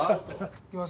いきます。